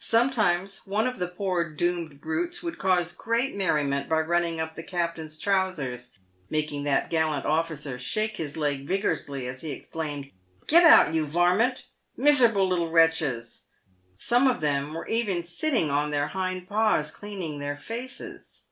Sometimes one of the poor doomed brutes would cause great merriment by running up the captain's trousers, making that gallant officer shake his leg vigorously as he exclaimed, " Gret out, you var mint !" Miserable little wretches! some of them were even sitting on their hind paws cleaning their faces.